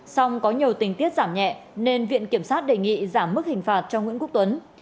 song có nhiều tình tiết giảm nhẹ nên viện kiểm sát đề nghị giảm mức hình phạt cho nguyễn quốc tuấn